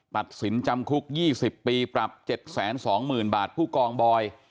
ตัดสินจำคุก๒๐ปีปรับ๗๒๐๐๐บาทผู้กองบอย